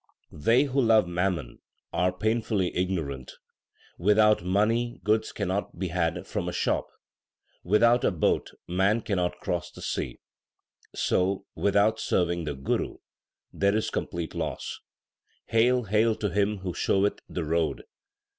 They who love mammon are painfully ignorant. Without money goods cannot be had from a shop ; Without a boat man cannot cross the sea ; So, without serving the Guru, there is complete loss. Hail, hail to him who showeth the road